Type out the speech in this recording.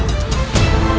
aku tidak mau